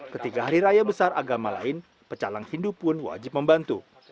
ketika hari raya besar agama lain pecalang hindu pun wajib membantu